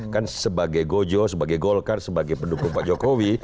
kan sebagai gojo sebagai golkar sebagai pendukung pak jokowi